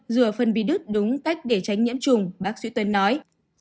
rửa phần bị đứt đúng cách để tránh nhiễm trùng bác sĩ tuân nói